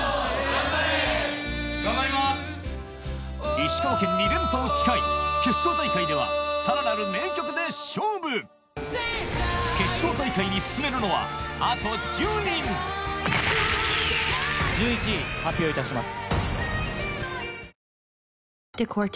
石川県２連覇を誓い決勝大会ではさらなる名曲で勝負決勝大会に進めるのはあと１０人１１位発表いたします。